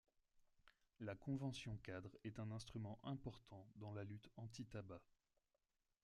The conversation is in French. La Convention-cadre est un instrument important dans la lutte anti-tabac.